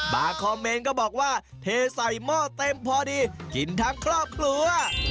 คอมเมนต์ก็บอกว่าเทใส่หม้อเต็มพอดีกินทั้งครอบครัว